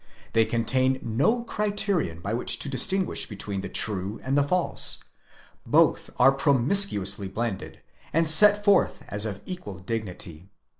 They contain no criterion by which to distinguish between the true and the false; both are promiscuously blended, and set forth as of equal dignity.